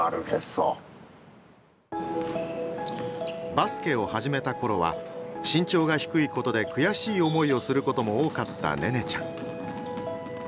バスケを始めた頃は身長が低いことで悔しい思いをすることも多かった寧音ちゃん。